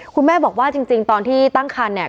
คุณแม่บอกว่าจริงตอนที่ตั้งคันเนี่ย